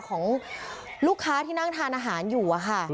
ของลูกค้าที่นั่งทานอาหารอยู่อะค่ะ